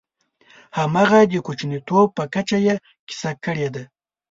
همغه د کوچنیتوب په کچه یې کیسه کړې ده.